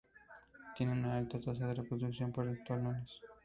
Tiene una alta tasa de reproducción por estolones.